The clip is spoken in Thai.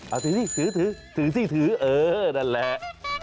เอาถือซี่ถือเออนั่นแหละ